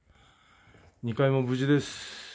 ２階も無事です。